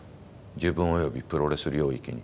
自分およびプロレス領域に。